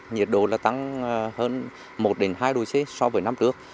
như trong tháng năm nhiệt độ tăng hơn một hai độ c so với năm trước